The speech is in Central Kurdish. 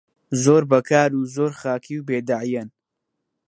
زۆر بەکار و زۆر خاکی و بێدەعیەن